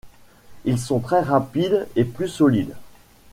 Ils sont très rapide et plus solides.